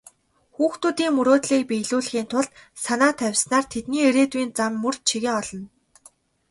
Хүүхдүүдийн мөрөөдлийг биелүүлэхийн тулд санаа тавьснаар тэдний ирээдүйн зам мөр чигээ олно.